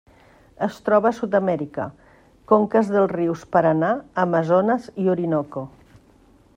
Es troba a Sud-amèrica: conques dels rius Paranà, Amazones i Orinoco.